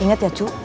ingat ya cuk